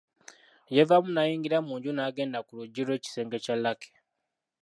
Yeevaamu n'ayingira mu nju n'agenda ku luggi lw’ekisenge kya Lucky.